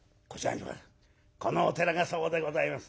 このお寺がそうでございます」。